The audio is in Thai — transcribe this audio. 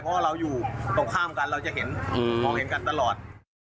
เพราะว่าเราอยู่ตรงข้ามกันเราจะเห็นมองเห็นกันตลอด